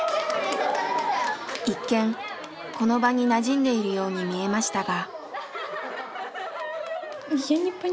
一見この場になじんでいるように見えましたが。